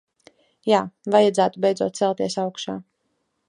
Jā, vajadzētu beidzot celties augšā.